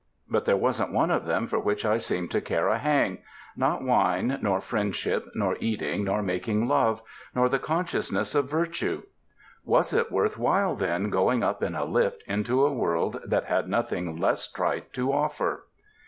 But there wasn't one of them for which I seemed to care a button not Wine, nor Friendship, nor Eating, nor Making Love, nor the Consciousness of Virtue. Was it worth while then going up in a lift into a world that had nothing less trite to offer?